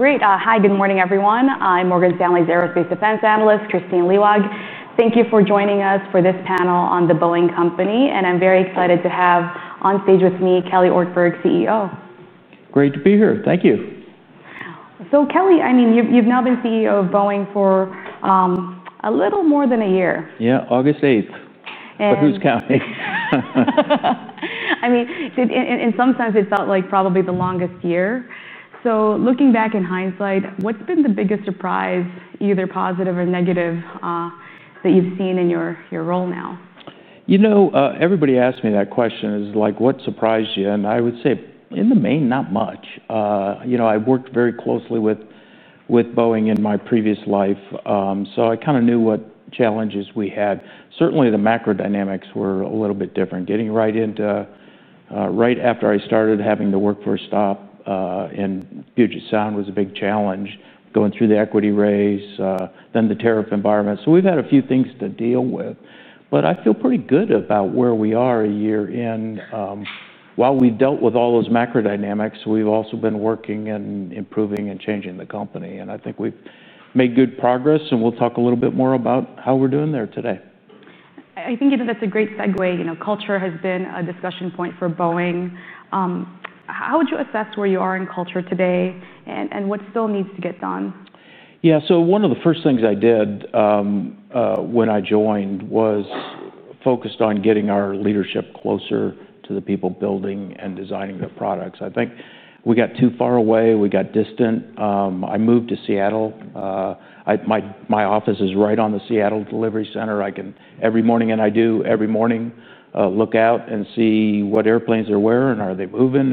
Great. Hi, good morning, everyone. I'm Morgan Stanley's Aerospace & Defense Analyst, Kristine T. Liwag. Thank you for joining us for this panel on The Boeing Company. I'm very excited to have on stage with me Kelly Ortberg, CEO. Great to be here. Thank you. Kelly, I mean, you've now been CEO of The Boeing Company for a little more than a year. Yeah, August 8. Who's counting? In some sense, it felt like probably the longest year. Looking back in hindsight, what's been the biggest surprise, either positive or negative, that you've seen in your role now? You know, everybody asks me that question, like, what surprised you? I would say, in the main, not much. I worked very closely with Boeing in my previous life, so I kind of knew what challenges we had. Certainly, the macro dynamics were a little bit different. Getting right into, right after I started, having to work for a stop in Fujisan was a big challenge, going through the equity raise, then the tariff environment. We've had a few things to deal with. I feel pretty good about where we are a year in. While we dealt with all those macro dynamics, we've also been working, improving, and changing the company. I think we've made good progress. We'll talk a little bit more about how we're doing there today. I think that's a great segue. You know, culture has been a discussion point for Boeing. How would you assess where you are in culture today, and what still needs to get done? Yeah, so one of the first things I did when I joined was focused on getting our leadership closer to the people building and designing the products. I think we got too far away. We got distant. I moved to Seattle. My office is right on the Seattle Delivery Center. Every morning, I do every morning look out and see what airplanes are where, and are they moving?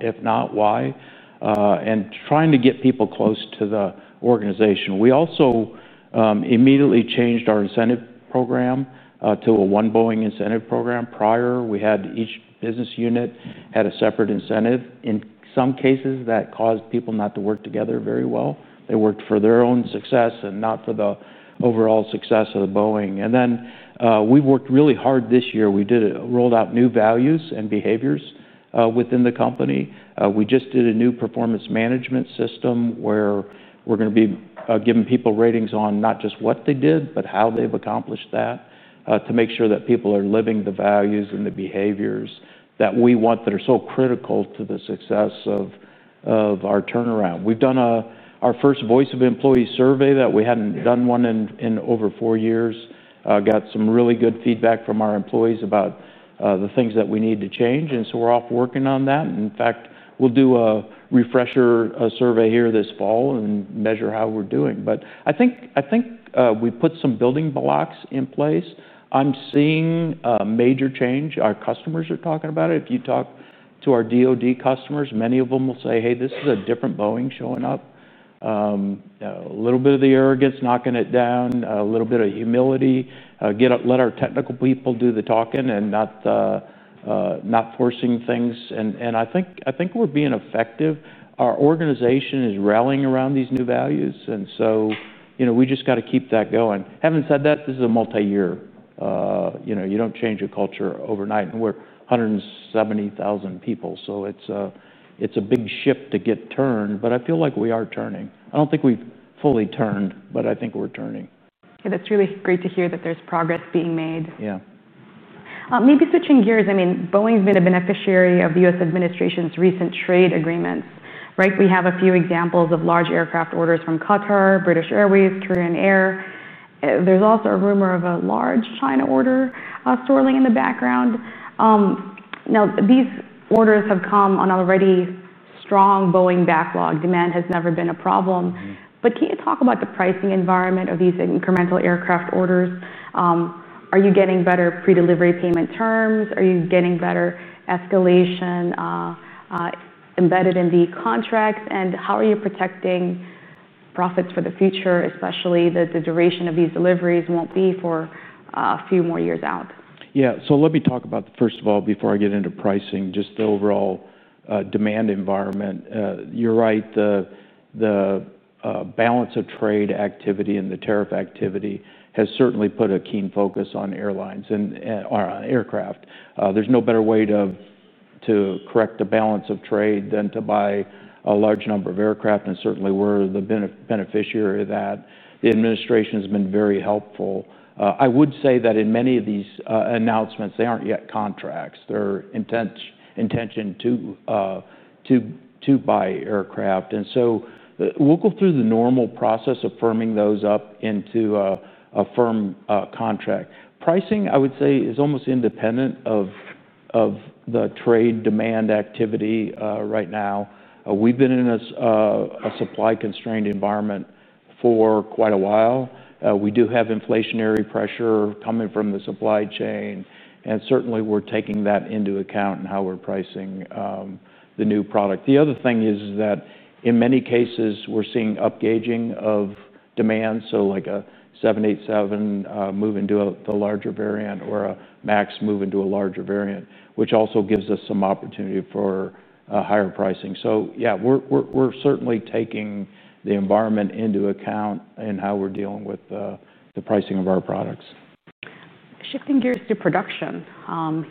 If not, why? Trying to get people close to the organization. We also immediately changed our incentive program to a one Boeing incentive program. Prior, we had each business unit had a separate incentive. In some cases, that caused people not to work together very well. They worked for their own success and not for the overall success of Boeing. We worked really hard this year. We rolled out new values and behaviors within the company. We just did a new performance management system where we're going to be giving people ratings on not just what they did, but how they've accomplished that to make sure that people are living the values and the behaviors that we want that are so critical to the success of our turnaround. We've done our first voice of employee survey that we hadn't done in over four years. Got some really good feedback from our employees about the things that we need to change. We're off working on that. In fact, we'll do a refresher survey here this fall and measure how we're doing. I think we put some building blocks in place. I'm seeing major change. Our customers are talking about it. If you talk to our DoD customers, many of them will say, hey, this is a different Boeing showing up. A little bit of the arrogance, knocking it down, a little bit of humility. Let our technical people do the talking and not forcing things. I think we're being effective. Our organization is rallying around these new values. We just got to keep that going. Having said that, this is a multi-year. You don't change a culture overnight. We're 170,000 people. It's a big ship to get turned. I feel like we are turning. I don't think we've fully turned, but I think we're turning. Yeah, that's really great to hear that there's progress being made. Yeah. Maybe switching gears, I mean, Boeing's been a beneficiary of the U.S. administration's recent trade agreements. Right? We have a few examples of large aircraft orders from Qatar Airways, British Airways, Korean Air. There's also a rumor of a large China order swirling in the background. Now, these orders have come on an already strong Boeing backlog. Demand has never been a problem. Can you talk about the pricing environment of these incremental aircraft orders? Are you getting better pre-delivery payment terms? Are you getting better escalation embedded in the contracts? How are you protecting profits for the future, especially that the duration of these deliveries won't be for a few more years out? Let me talk about, first of all, before I get into pricing, just the overall demand environment. You're right, the balance of trade activity and the tariff activity has certainly put a keen focus on airlines and aircraft. There's no better way to correct the balance of trade than to buy a large number of aircraft. Certainly, we're the beneficiary of that. The administration has been very helpful. I would say that in many of these announcements, they aren't yet contracts. They're intention to buy aircraft, and we'll go through the normal process of firming those up into a firm contract. Pricing, I would say, is almost independent of the trade demand activity right now. We've been in a supply-constrained environment for quite a while. We do have inflationary pressure coming from the supply chain, and certainly, we're taking that into account in how we're pricing the new product. The other thing is that in many cases, we're seeing up-gauging of demand, like a 787 move into the larger variant or a 737 MAX move into a larger variant, which also gives us some opportunity for higher pricing. We're certainly taking the environment into account in how we're dealing with the pricing of our products. Shifting gears to production,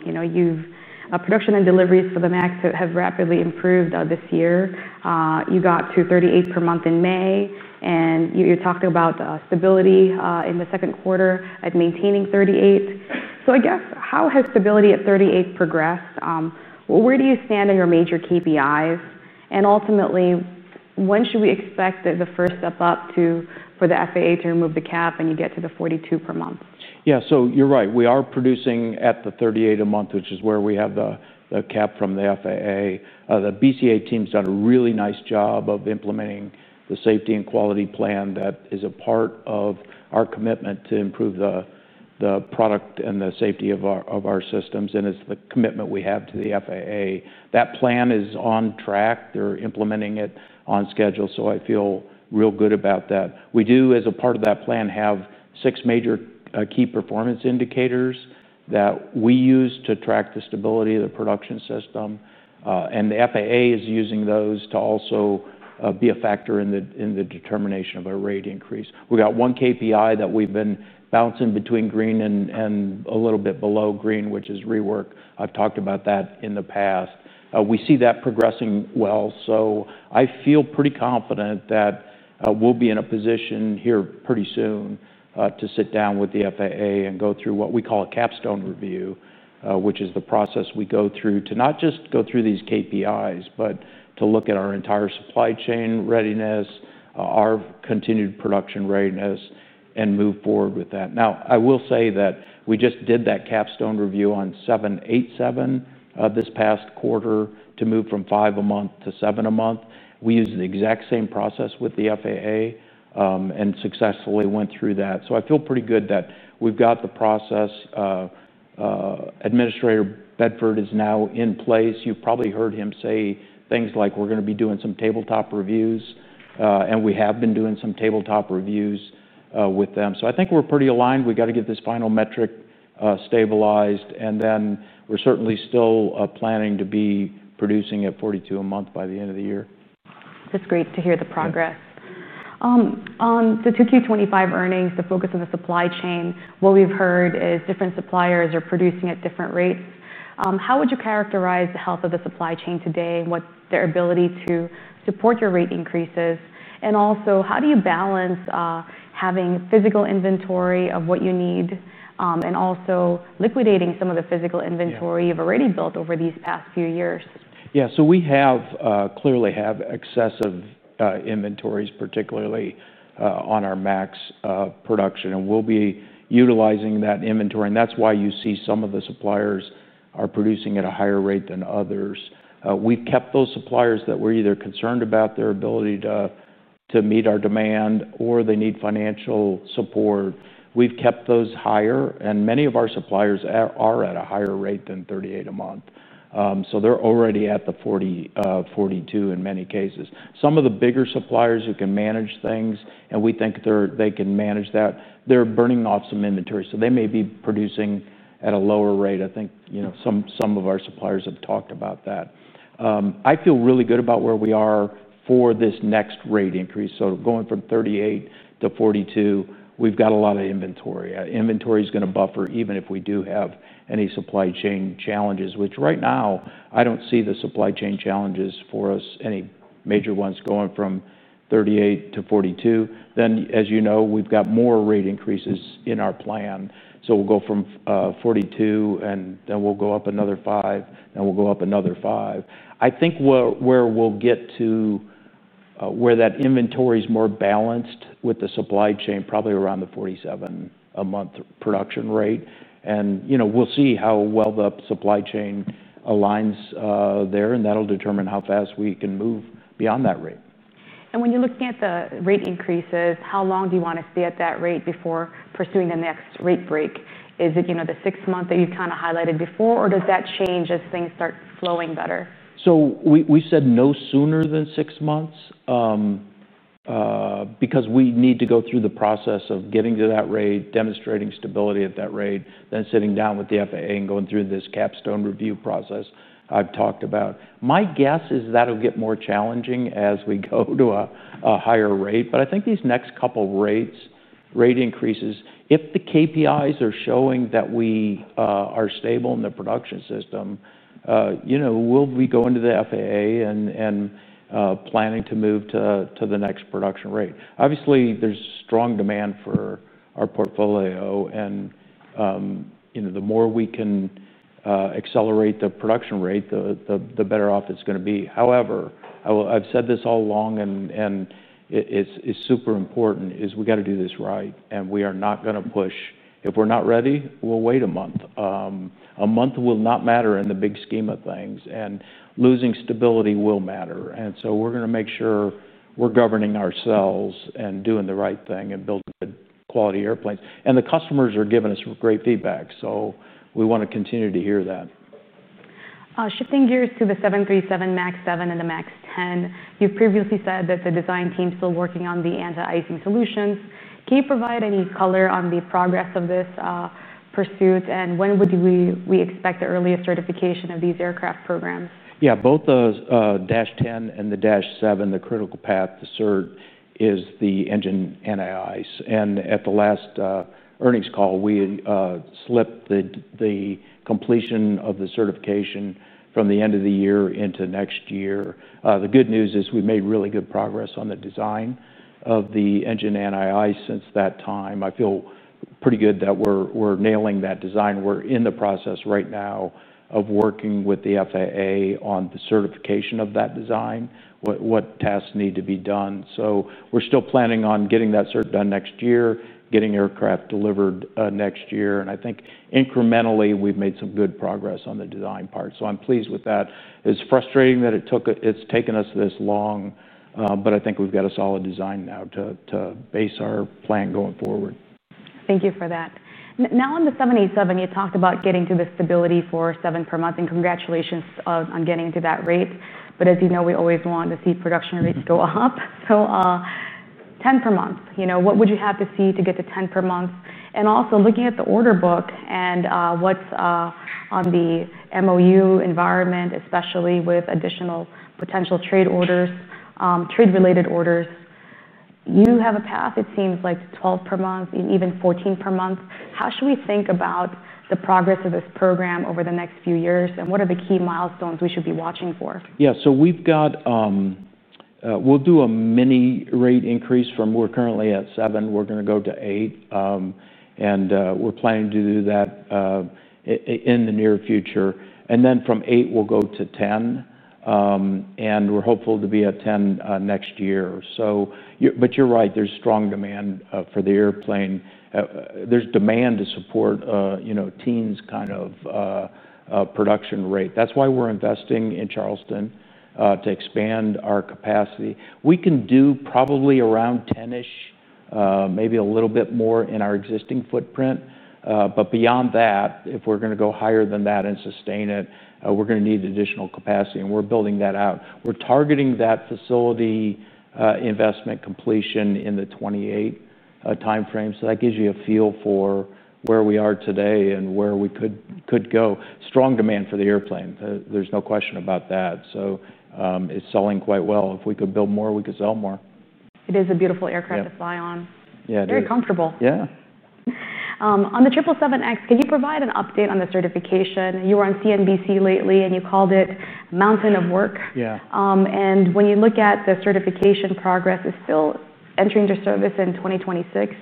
you know, production and deliveries for the 737 MAX have rapidly improved this year. You got to 38 per month in May, and you talked about stability in the second quarter at maintaining 38. I guess, how has stability at 38 progressed? Where do you stand in your major KPIs? Ultimately, when should we expect the first step up for the FAA to remove the cap and you get to the 42 per month? Yeah, you're right. We are producing at 38 a month, which is where we have the cap from the FAA. The BCA team's done a really nice job of implementing the safety and quality plan that is a part of our commitment to improve the product and the safety of our systems. It's the commitment we have to the FAA. That plan is on track. They're implementing it on schedule. I feel real good about that. We do, as a part of that plan, have six major key performance indicators that we use to track the stability of the production system. The FAA is using those to also be a factor in the determination of a rate increase. We got one KPI that we've been bouncing between green and a little bit below green, which is rework. I've talked about that in the past. We see that progressing well. I feel pretty confident that we'll be in a position here pretty soon to sit down with the FAA and go through what we call a capstone review, which is the process we go through to not just go through these KPIs, but to look at our entire supply chain readiness, our continued production readiness, and move forward with that. I will say that we just did that capstone review on 787 this past quarter to move from five a month to seven a month. We used the exact same process with the FAA and successfully went through that. I feel pretty good that we've got the process. Administrator Bedford is now in place. You've probably heard him say things like, we're going to be doing some tabletop reviews. We have been doing some tabletop reviews with them. I think we're pretty aligned. We got to get this final metric stabilized. We're certainly still planning to be producing at 42 a month by the end of the year. That's great to hear the progress. On the 2Q25 earnings, the focus of the supply chain, what we've heard is different suppliers are producing at different rates. How would you characterize the health of the supply chain today and their ability to support your rate increases? How do you balance having physical inventory of what you need and also liquidating some of the physical inventory you've already built over these past few years? Yeah, we clearly have excessive inventories, particularly on our 737 MAX production. We'll be utilizing that inventory. That's why you see some of the suppliers are producing at a higher rate than others. We've kept those suppliers that we're either concerned about their ability to meet our demand or they need financial support. We've kept those higher. Many of our suppliers are at a higher rate than 38 a month. They're already at 42 in many cases. Some of the bigger suppliers who can manage things, and we think they can manage that, they're burning off some inventory. They may be producing at a lower rate. I think some of our suppliers have talked about that. I feel really good about where we are for this next rate increase. Going from 38 to 42, we've got a lot of inventory. Inventory is going to buffer even if we do have any supply chain challenges, which right now I don't see the supply chain challenges for us, any major ones going from 38 to 42. As you know, we've got more rate increases in our plan. We'll go from 42, and then we'll go up another five, and we'll go up another five. I think we'll get to where that inventory is more balanced with the supply chain, probably around the 47 a month production rate. We'll see how well the supply chain aligns there. That'll determine how fast we can move beyond that rate. When you're looking at the rate increases, how long do you want to stay at that rate before pursuing the next rate break? Is it the six months that you kind of highlighted before, or does that change as things start flowing better? We said no sooner than six months because we need to go through the process of getting to that rate, demonstrating stability at that rate, then sitting down with the FAA and going through this capstone review process I've talked about. My guess is that'll get more challenging as we go to a higher rate. I think these next couple of rate increases, if the KPIs are showing that we are stable in the production system, you know we'll be going to the FAA and planning to move to the next production rate. Obviously, there's strong demand for our portfolio. The more we can accelerate the production rate, the better off it's going to be. However, I've said this all along, and it's super important, is we got to do this right. We are not going to push. If we're not ready, we'll wait a month. A month will not matter in the big scheme of things. Losing stability will matter. We are going to make sure we're governing ourselves and doing the right thing and building good quality airplanes. The customers are giving us great feedback. We want to continue to hear that. Shifting gears to the 737 MAX 7 and the 737 MAX 10, you've previously said that the design team is still working on the anti-icing solutions. Can you provide any color on the progress of this pursuit? When would we expect the earliest certification of these aircraft programs? Yeah, both the 737 MAX 10 and the 737 MAX 7, the critical path to certification is the engine NII. At the last earnings call, we slipped the completion of the certification from the end of the year into next year. The good news is we made really good progress on the design of the engine NII since that time. I feel pretty good that we're nailing that design. We're in the process right now of working with the FAA on the certification of that design, what tests need to be done. We are still planning on getting that certification done next year, getting aircraft delivered next year. I think incrementally, we've made some good progress on the design part. I'm pleased with that. It's frustrating that it's taken us this long. I think we've got a solid design now to base our plan going forward. Thank you for that. Now on the 787, you talked about getting to the stability for seven per month. Congratulations on getting to that rate. As you know, we always want to see production rates go up. For 10 per month, what would you have to see to get to 10 per month? Also, looking at the order book and what's on the memorandum of understanding environment, especially with additional potential trade-related orders, you have a path, it seems like, to 12 per month, even 14 per month. How should we think about the progress of this program over the next few years? What are the key milestones we should be watching for? Yeah, so we've got, we'll do a mini rate increase from we're currently at seven. We're going to go to eight, and we're planning to do that in the near future. From eight, we'll go to 10, and we're hopeful to be at 10 next year. You're right, there's strong demand for the airplane. There's demand to support, you know, teens kind of production rate. That's why we're investing in Charleston to expand our capacity. We can do probably around 10-ish, maybe a little bit more in our existing footprint. Beyond that, if we're going to go higher than that and sustain it, we're going to need additional capacity, and we're building that out. We're targeting that facility investment completion in the 2028 timeframe. That gives you a feel for where we are today and where we could go. Strong demand for the airplane, there's no question about that. It's selling quite well. If we could build more, we could sell more. It is a beautiful aircraft to fly on. Yeah, it is. Very comfortable. Yeah. On the 777X, can you provide an update on the certification? You were on CNBC lately, and you called it Mountain of Work. Yeah. When you look at the certification progress, is it still entering your service in 2026?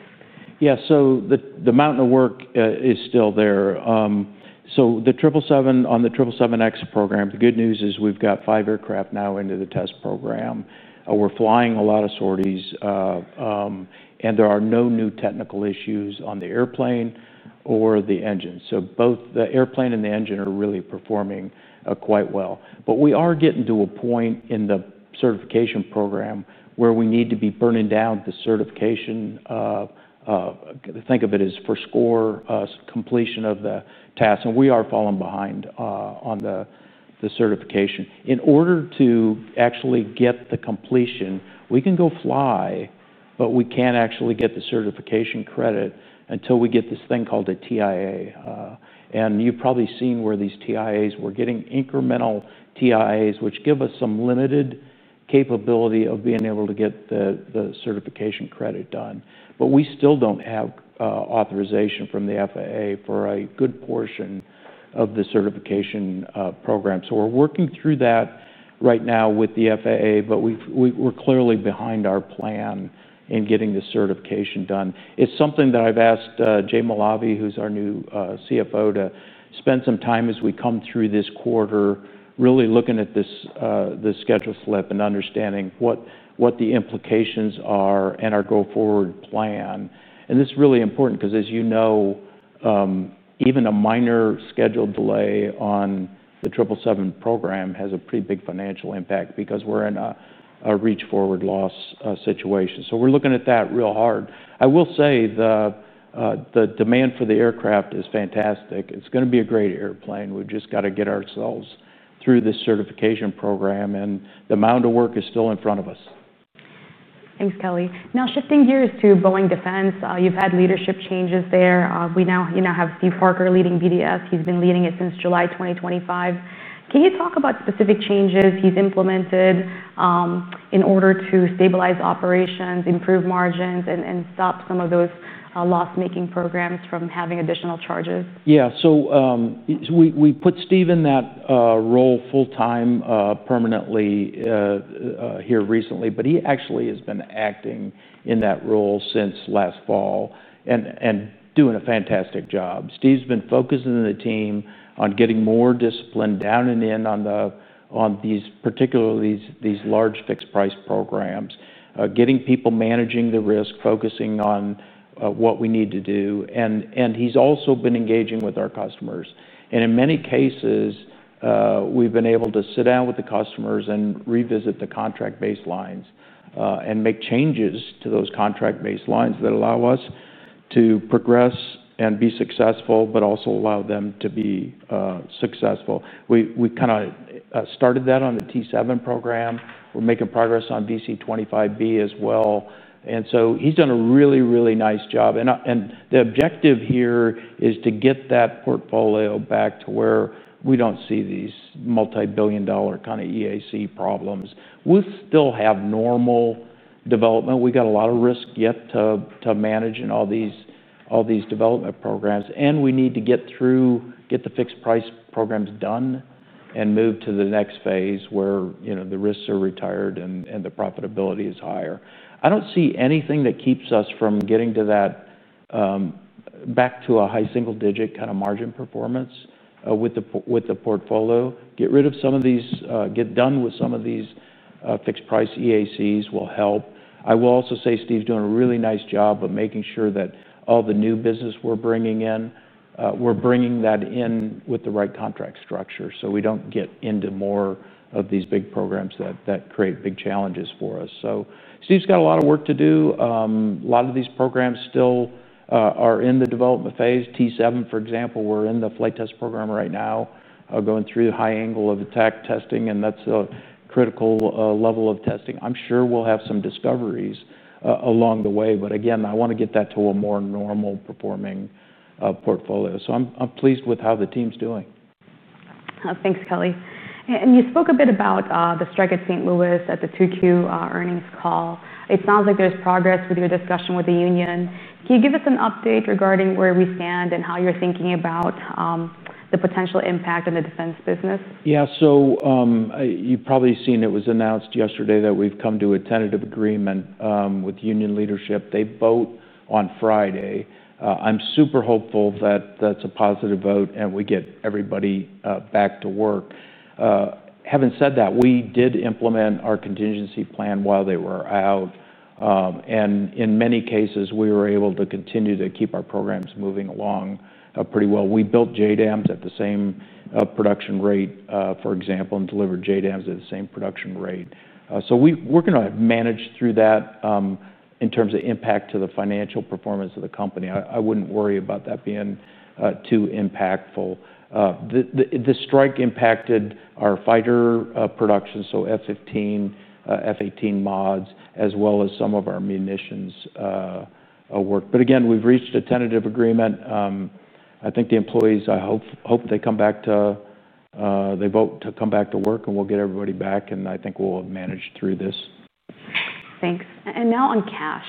Yeah, so the Mountain of Work is still there. On the 777X program, the good news is we've got five aircraft now into the test program. We're flying a lot of sorties, and there are no new technical issues on the airplane or the engine. Both the airplane and the engine are really performing quite well. We are getting to a point in the certification program where we need to be burning down the certification. Think of it as for score completion of the test. We are falling behind on the certification. In order to actually get the completion, we can go fly, but we can't actually get the certification credit until we get this thing called a TIA. You've probably seen where these TIAs, we're getting incremental TIAs, which give us some limited capability of being able to get the certification credit done. We still don't have authorization from the FAA for a good portion of the certification program. We're working through that right now with the FAA. We're clearly behind our plan in getting the certification done. It's something that I've asked Jay Malavi, who's our new CFO, to spend some time as we come through this quarter, really looking at this schedule slip and understanding what the implications are and our go-forward plan. This is really important because, as you know, even a minor schedule delay on the 777 program has a pretty big financial impact because we're in a reach-forward loss situation. We're looking at that real hard. I will say the demand for the aircraft is fantastic. It's going to be a great airplane. We've just got to get ourselves through this certification program, and the amount of work is still in front of us. Thanks, Kelly. Now, shifting gears to Boeing Defense, you've had leadership changes there. We now have Steve Harker leading BDS. He's been leading it since July 2025. Can you talk about specific changes he's implemented in order to stabilize operations, improve margins, and stop some of those loss-making programs from having additional charges? Yeah, so we put Steve in that role full-time, permanently here recently. He actually has been acting in that role since last fall and doing a fantastic job. Steve's been focusing the team on getting more discipline down and in on these, particularly these large fixed-price programs, getting people managing the risk, focusing on what we need to do. He's also been engaging with our customers. In many cases, we've been able to sit down with the customers and revisit the contract baselines and make changes to those contract baselines that allow us to progress and be successful, but also allow them to be successful. We kind of started that on the T7 program. We're making progress on DC25B as well. He's done a really, really nice job. The objective here is to get that portfolio back to where we don't see these multi-billion dollar kind of EAC problems. We'll still have normal development. We got a lot of risk yet to manage in all these development programs. We need to get through, get the fixed-price programs done and move to the next phase where the risks are retired and the profitability is higher. I don't see anything that keeps us from getting to that back to a high single-digit kind of margin performance with the portfolio. Get rid of some of these, get done with some of these fixed-price EACs will help. I will also say Steve's doing a really nice job of making sure that all the new business we're bringing in, we're bringing that in with the right contract structure so we don't get into more of these big programs that create big challenges for us. Steve's got a lot of work to do. A lot of these programs still are in the development phase. T7, for example, we're in the flight test program right now, going through the high angle of the tech testing. That's a critical level of testing. I'm sure we'll have some discoveries along the way. Again, I want to get that to a more normal performing portfolio. I'm pleased with how the team's doing. Thanks, Kelly. You spoke a bit about the strike at St. Louis at the 2Q earnings call. It sounds like there's progress with your discussion with the union. Can you give us an update regarding where we stand and how you're thinking about the potential impact on the defense business? Yeah, so you've probably seen it was announced yesterday that we've come to a tentative agreement with union leadership. They vote on Friday. I'm super hopeful that that's a positive vote and we get everybody back to work. Having said that, we did implement our contingency plan while they were out. In many cases, we were able to continue to keep our programs moving along pretty well. We built JDAMs at the same production rate, for example, and delivered JDAMs at the same production rate. We're going to manage through that in terms of impact to the financial performance of the company. I wouldn't worry about that being too impactful. The strike impacted our fighter production, F-15, F-18 mods, as well as some of our munitions work. We've reached a tentative agreement. I think the employees, I hope they come back to, they vote to come back to work, and we'll get everybody back. I think we'll manage through this. Thank you. Now on cash,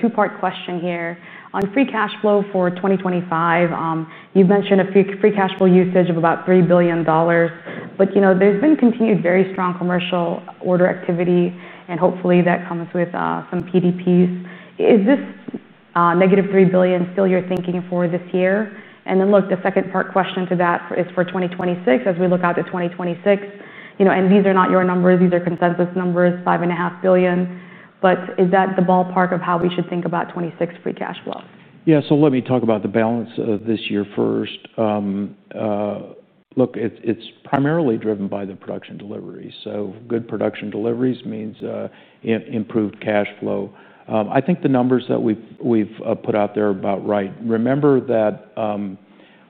two-part question here. On free cash flow for 2025, you've mentioned a free cash flow usage of about $3 billion. There's been continued very strong commercial order activity, and hopefully, that comes with some PDPs. Is this negative $3 billion still your thinking for this year? The second part to that is for 2026, as we look out to 2026. These are not your numbers, these are consensus numbers, $5.5 billion. Is that the ballpark of how we should think about 2026 free cash flow? Yeah, let me talk about the balance of this year first. Look, it's primarily driven by the production delivery. Good production deliveries mean improved cash flow. I think the numbers that we've put out there are about right. Remember that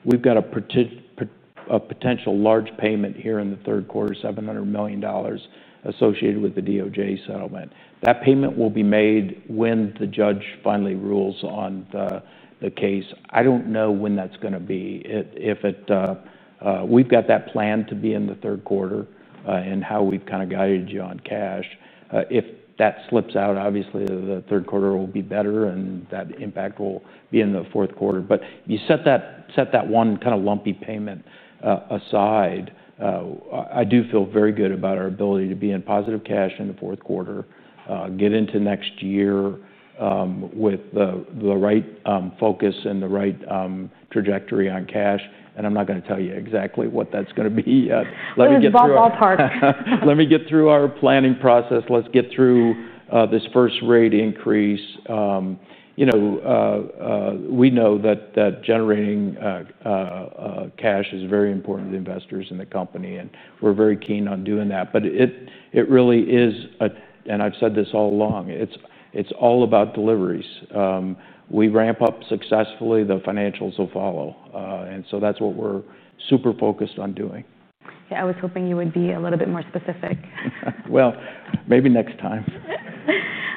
we've got a potential large payment here in the third quarter, $700 million associated with the DOJ settlement. That payment will be made when the judge finally rules on the case. I don't know when that's going to be. We've got that planned to be in the third quarter in how we've kind of guided you on cash. If that slips out, obviously, the third quarter will be better, and that impact will be in the fourth quarter. You set that one kind of lumpy payment aside. I do feel very good about our ability to be in positive cash in the fourth quarter, get into next year with the right focus and the right trajectory on cash. I'm not going to tell you exactly what that's going to be. We've lost all talk. Let me get through our planning process. Let's get through this first rate increase. We know that generating cash is very important to the investors in the company. We're very keen on doing that. It really is, and I've said this all along, it's all about deliveries. We ramp up successfully, the financials will follow. That's what we're super focused on doing. Yeah, I was hoping you would be a little bit more specific. Maybe next time.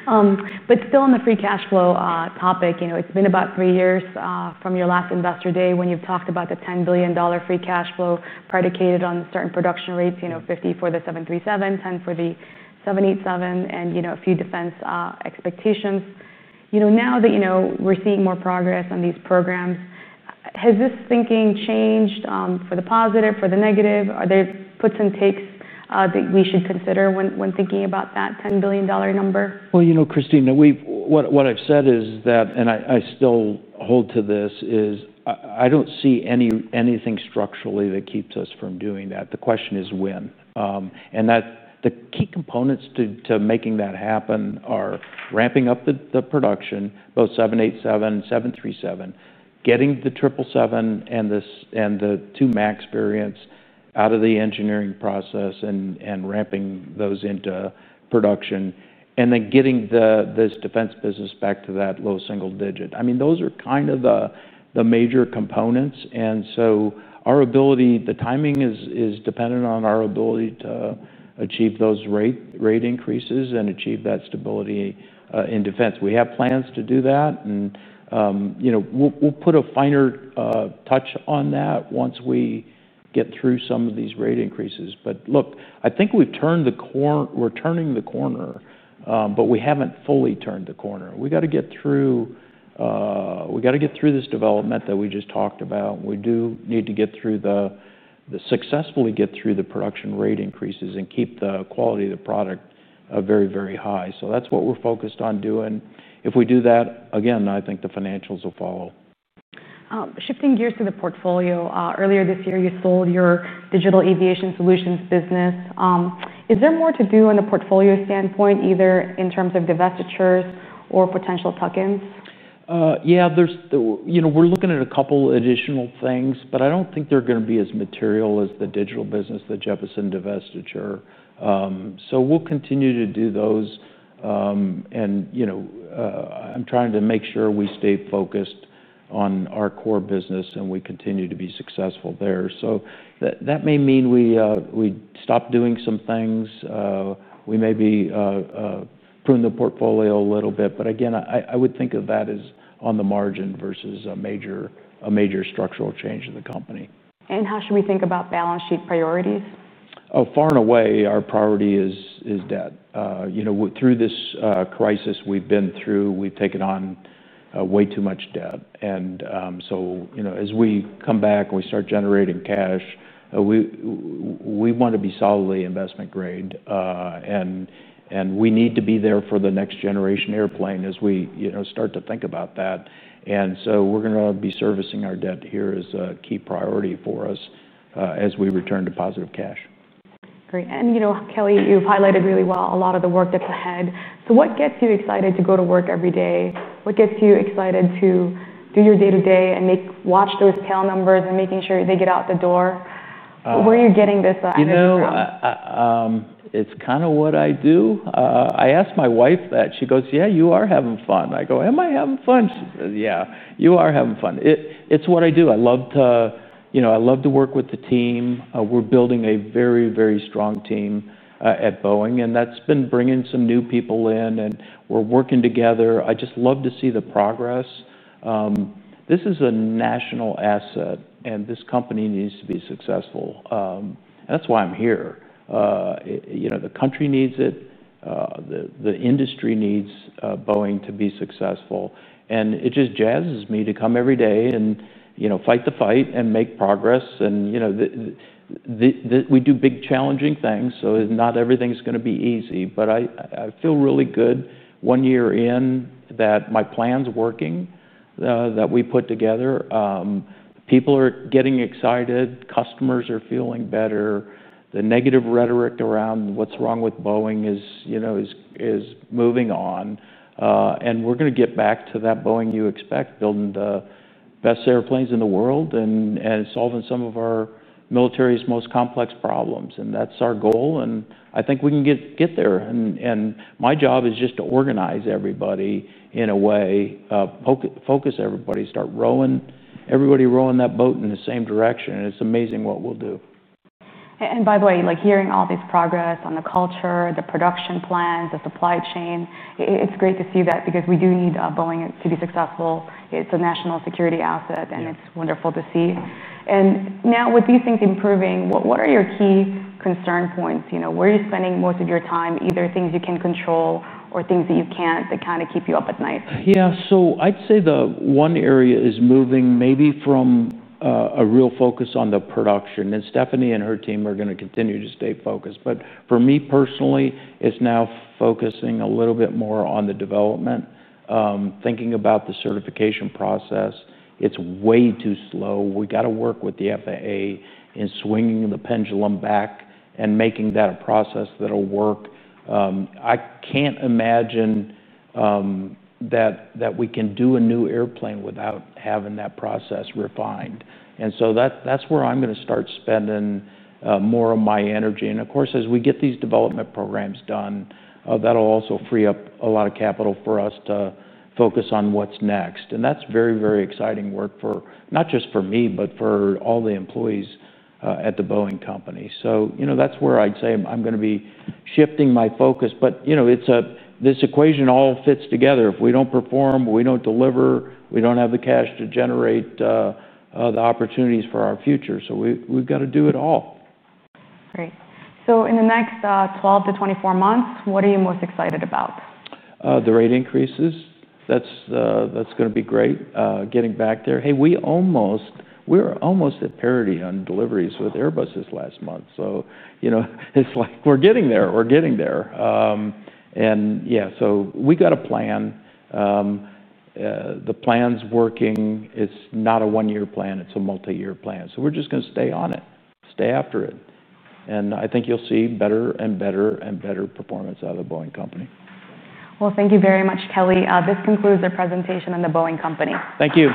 On the free cash flow topic, it's been about three years from your last investor day when you've talked about the $10 billion free cash flow predicated on certain production rates, 50 for the 737, 10 for the 787, and a few defense expectations. Now that we're seeing more progress on these programs, has this thinking changed for the positive, for the negative? Are there puts and takes that we should consider when thinking about that $10 billion number? Kristine, what I've said is that, and I still hold to this, I don't see anything structurally that keeps us from doing that. The question is when. The key components to making that happen are ramping up the production, both 787, 737, getting the 777 and the two 737 MAX variants out of the engineering process and ramping those into production, and then getting this defense business back to that low single digit. I mean, those are kind of the major components. Our ability, the timing is dependent on our ability to achieve those rate increases and achieve that stability in defense. We have plans to do that. We'll put a finer touch on that once we get through some of these rate increases. I think we've turned the corner. We're turning the corner, but we haven't fully turned the corner. We got to get through, we got to get through this development that we just talked about. We do need to get through, successfully get through the production rate increases and keep the quality of the product very, very high. That's what we're focused on doing. If we do that, again, I think the financials will follow. Shifting gears to the portfolio, earlier this year, you sold your digital aviation solutions business. Is there more to do in the portfolio standpoint, either in terms of divestitures or potential tuck-ins? Yeah, we're looking at a couple additional things, but I don't think they're going to be as material as the digital business, the Jeppesen divestiture. We'll continue to do those. I'm trying to make sure we stay focused on our core business and we continue to be successful there. That may mean we stop doing some things. We may be pruning the portfolio a little bit. I would think of that as on the margin versus a major structural change in the company. How should we think about balance sheet priorities? Far and away, our priority is debt. Through this crisis we've been through, we've taken on way too much debt. As we come back and we start generating cash, we want to be solidly investment grade. We need to be there for the next generation airplane as we start to think about that. We're going to be servicing our debt here as a key priority for us as we return to positive cash. Great. Kelly, you've highlighted really well a lot of the work that's ahead. What gets you excited to go to work every day? What gets you excited to do your day-to-day and watch those PAL numbers and making sure they get out the door? Where are you getting this energy? You know, it's kind of what I do. I asked my wife that. She goes, "Yeah, you are having fun." I go, "Am I having fun?" She says, "Yeah, you are having fun." It's what I do. I love to, you know, I love to work with the team. We're building a very, very strong team at Boeing. That's been bringing some new people in, and we're working together. I just love to see the progress. This is a national asset, and this company needs to be successful. That's why I'm here. You know, the country needs it. The industry needs Boeing to be successful. It just jazzes me to come every day and, you know, fight the fight and make progress. We do big challenging things. Not everything's going to be easy. I feel really good one year in that my plan's working that we put together. People are getting excited. Customers are feeling better. The negative rhetoric around what's wrong with Boeing is, you know, is moving on. We're going to get back to that Boeing you expect, building the best airplanes in the world and solving some of our military's most complex problems. That's our goal. I think we can get there. My job is just to organize everybody in a way, focus everybody, start rowing, everybody rowing that boat in the same direction. It's amazing what we'll do. By the way, hearing all this progress on the culture, the production plans, the supply chain, it's great to see that because we do need Boeing to be successful. It's a national security asset. It's wonderful to see. Now, with these things improving, what are your key concern points? Where are you spending most of your time, either things you can control or things that you can't that kind of keep you up at night? I'd say the one area is moving maybe from a real focus on the production. Stephanie and her team are going to continue to stay focused. For me personally, it's now focusing a little bit more on the development, thinking about the certification process. It's way too slow. We got to work with the FAA in swinging the pendulum back and making that a process that'll work. I can't imagine that we can do a new airplane without having that process refined. That's where I'm going to start spending more of my energy. Of course, as we get these development programs done, that'll also free up a lot of capital for us to focus on what's next. That's very, very exciting work not just for me, but for all the employees at The Boeing Company. That's where I'd say I'm going to be shifting my focus. This equation all fits together. If we don't perform, we don't deliver, we don't have the cash to generate the opportunities for our future. We've got to do it all. Great. In the next 12 to 24 months, what are you most excited about? The rate increases. That's going to be great, getting back there. Hey, we're almost at parity on deliveries with Airbus this last month. You know, it's like we're getting there. We're getting there. We got a plan. The plan's working. It's not a one-year plan. It's a multi-year plan. We're just going to stay on it, stay after it. I think you'll see better and better and better performance out of The Boeing Company. Thank you very much, Kelly. This concludes our presentation on The Boeing Company. Thank you.